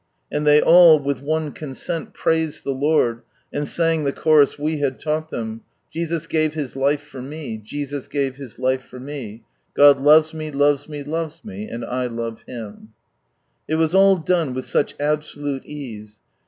And they all, with one consent, praised the Lord, and sang the chorus we had taught them :— J.s,,t g,tut m> tifi for m,, ftsiii gmv fiis life for nie, GbiI /mics mt, lines me, lin.<es me, and I lave Him. It was all done with such absolute ease.